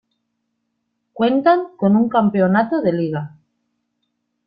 Cuentan con un campeonato de liga.